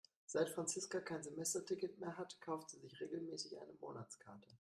Seit Franziska kein Semesterticket mehr hat, kauft sie sich regelmäßig eine Monatskarte.